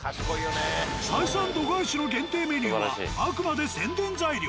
採算度外視の限定メニューはあくまで宣伝材料。